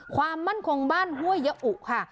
ความมั่นคงบ้านห้วยยะอุค่ะ